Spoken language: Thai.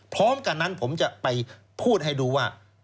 พร้อมกันนั้นผมจะไปพูดให้ดูว่า